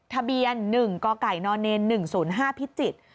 ทะเบียน๑กกน๑๐๕พิจิตร